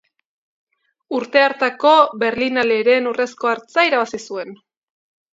Urte hartako Berlinaleren Urrezko Hartza irabazi zuen.